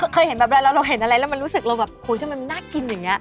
เคยเห็นแบบเวลาเราเห็นอะไรแล้วมันรู้สึกเราแบบทำไมมันน่ากินอย่างนี้